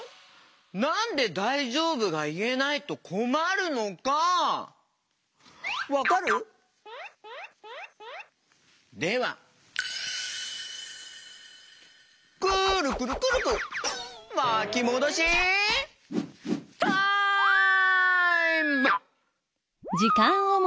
なんで「だいじょうぶ？」がいえないとこまるのかわかる？ではくるくるくるくるまきもどしタイム！